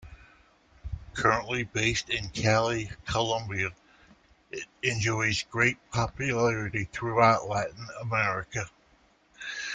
Currently based in Cali, Colombia, it enjoys great popularity throughout Latin America.